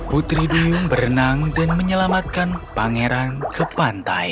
putri duyung berenang dan menyelamatkan pangeran ke pantai